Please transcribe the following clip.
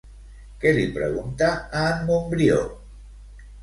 Què li pregunta a en Montbrió?